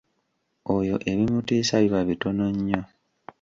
Oyo ebimutiisa biba bitono nnyo!